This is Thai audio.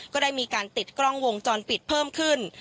ก็ได้มีการติดกล้องวงจรปิดเพิ่มขึ้น